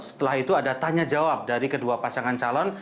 setelah itu ada tanya jawab dari kedua pasangan calon